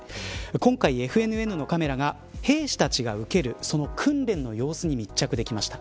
今回、ＦＮＮのカメラが兵士たちが受けるその訓練の様子に密着できました。